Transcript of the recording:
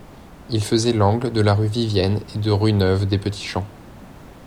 Il faisait l'angle de la rue Vivienne et de rue neuve des Petits Champs.